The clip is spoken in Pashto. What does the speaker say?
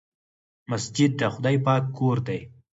مسجد د خدای پاک کور دی.